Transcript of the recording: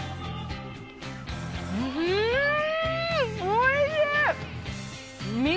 おいしい！